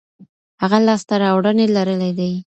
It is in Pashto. هغه لاسته راوړنې لرلي دي.